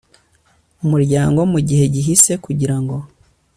umuryango mu gihe gihise kugira ngo